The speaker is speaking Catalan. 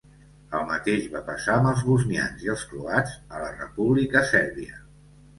El mateix va passar amb els bosnians i els croats a la República Sèrbia.